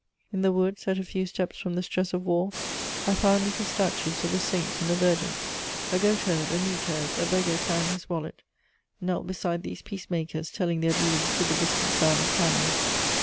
In the woods, at a few steps from the stress of war, I found little statues of the Saints and the Virgin. A goat herd, a neat herd, a beggar carrying his wallet knelt beside these peace makers, telling their beads to the distant sound of cannon.